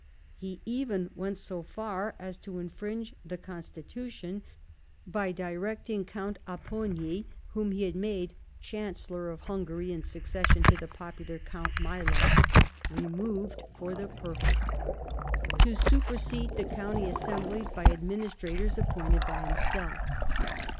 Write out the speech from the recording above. He even went so far as to infringe the Constitution by directing Count Aj)ponyi, whom he had made Chancellor of Hungary in succession to the popular Count ]\Iailath — removed for the purpose — to supersede the County Assemblies by adminii^trators appointed by himself.